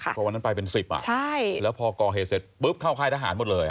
เพราะวันนั้นไปเป็น๑๐แล้วพอก่อเหตุเสร็จปุ๊บเข้าค่ายทหารหมดเลย